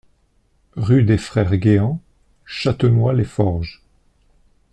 Rue des Frères Géhant, Châtenois-les-Forges